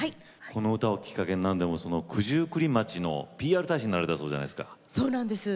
この歌をきっかけになんでも九十九里町のＰＲ大使になられたそうじゃないですか。